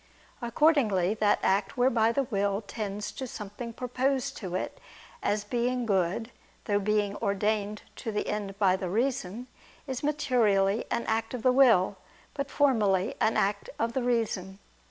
Accordingly, that act whereby the will tends to something proposed to it as being good, through being ordained to the end by the reason, is materially an act of the will, but formally an act of the reason.